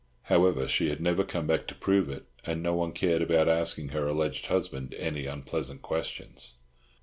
However, she had never come back to prove it, and no one cared about asking her alleged husband any unpleasant questions.